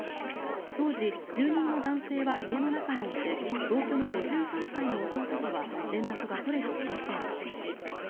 当時、住人の男性は家の中にいて同居の５３歳の弟とは連絡が取れていません。